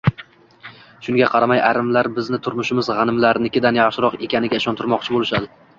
Shunga qaramay ayrimlar bizni turmushimiz g‘animlarnikidan yaxshiroq ekaniga ishontirmoqchi bo‘lishadi